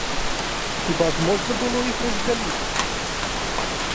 Хіба ж можна было іх раздзяліць?!